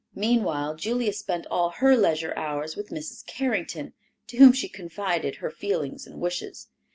Meanwhile Julia spent all her leisure hours with Mrs. Carrington, to whom she confided her feelings and wishes.